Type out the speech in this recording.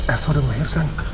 elsa udah lahir kan